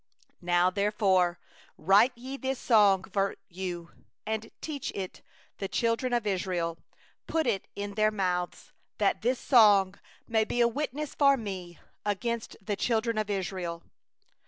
19Now therefore write ye this song for you, and teach thou it the children of Israel; put it in their mouths, that this song may be a witness for Me against the children of Israel.